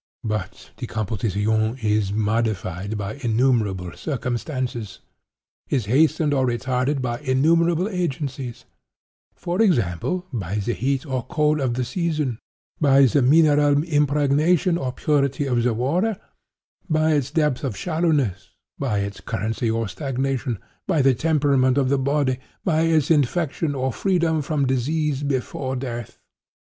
But decomposition is modified by innumerable circumstances—is hastened or retarded by innumerable agencies; for example, by the heat or cold of the season, by the mineral impregnation or purity of the water, by its depth or shallowness, by its currency or stagnation, by the temperament of the body, by its infection or freedom from disease before death.